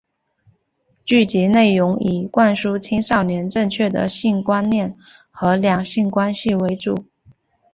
剧集内容以灌输青少年正确的性观念和两性关系为主。